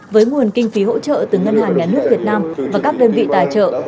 với nguồn kinh phí hỗ trợ từ ngân hàng nhà nước việt nam và các đơn vị tài trợ